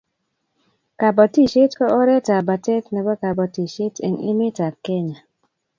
Kobotisiet ko oretap batet nebo kobotisiet eng emetab Kenya